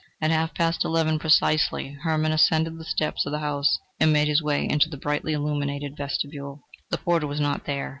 At half past eleven precisely, Hermann ascended the steps of the house, and made his way into the brightly illuminated vestibule. The porter was not there.